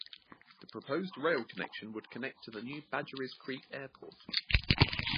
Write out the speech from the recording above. The proposed rail connection would connect to the new Badgerys Creek Airport.